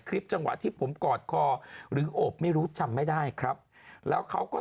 จังหวะที่ผมกอดคอหรือโอบไม่รู้จำไม่ได้ครับแล้วเขาก็